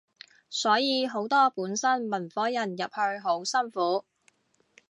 所以好多本身文科人入去好辛苦